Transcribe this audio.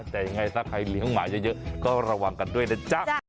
แต่ยังไงถ้าใครเลี้ยงหมาเยอะก็ระวังกันด้วยนะจ๊ะ